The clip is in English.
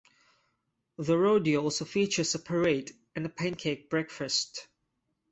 The rodeo also features a parade and a pancake breakfast.